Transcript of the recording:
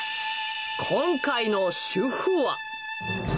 今回の主婦は。